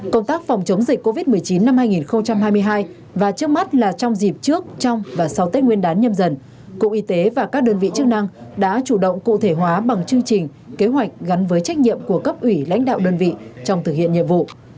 công tác phòng chống dịch covid một mươi chín năm hai nghìn hai mươi hai và trước mắt là trong dịp trước trong và sau tết nguyên đán nhâm dần cục y tế và các đơn vị chức năng đã chủ động cụ thể hóa bằng chương trình kế hoạch gắn với trách nhiệm của cấp ủy lãnh đạo đơn vị trong thực hiện nhiệm vụ